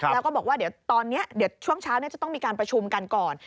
แล้วก็บอกว่าเดี๋ยวตอนนี้เดี๋ยวช่วงเช้าจะต้องมีการประชุมกันก่อน